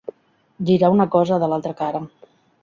Girar una cosa de l'altra cara.